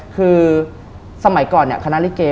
คือสมัยก่อนคณะริเกย์